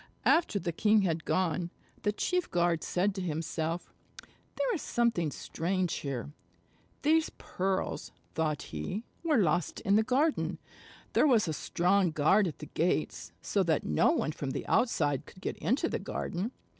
After the king had gone, the chief guard said to himself: "There is something strange here. These pearls," thought he, "were lost in the garden. There was a strong guard at the gates, so that no one from the outside could get into the garden.